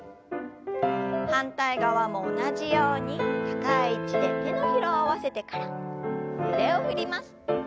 反対側も同じように高い位置で手のひらを合わせてから腕を振ります。